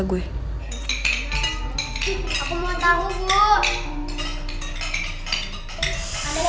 udah ada luka kayak gini